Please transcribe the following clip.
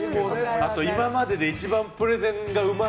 あと、今までで一番プレゼンがうまい。